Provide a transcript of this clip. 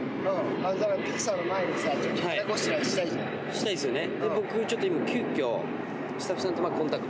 したいですよね。